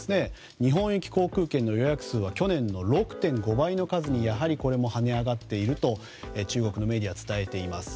日本行き航空券の予約数は去年の６．５倍にはね上がっていると中国のメディアは伝えています。